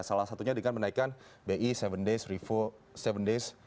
salah satunya dengan menaikan bi tujuh days reversal